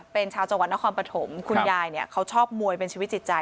เป็นชาวจังหวัดนครปฐมคุณยายเนี่ยเขาชอบมวยเป็นชีวิตจิตใจ